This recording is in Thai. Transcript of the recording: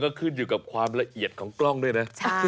ก็ขึ้นอยู่กับความละเอียดของกล้องด้วยนะ